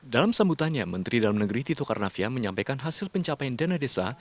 dalam sambutannya menteri dalam negeri tito karnavian menyampaikan hasil pencapaian dana desa